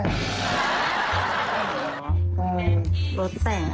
เอ้ยรถแต่งอะไรเพลงแตกแปลก